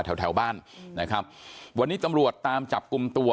แถวแถวบ้านนะครับวันนี้ตำรวจตามจับกลุ่มตัว